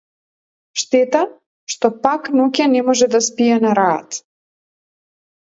Штета што пак ноќе не може да спие на раат.